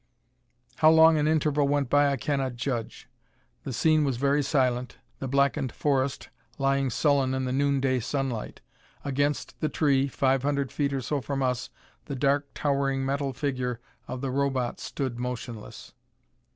How long an interval went by I cannot judge. The scene was very silent, the blackened forest lying sullen in the noonday sunlight. Against the tree, five hundred feet or so from us, the dark towering metal figure of the Robot stood motionless.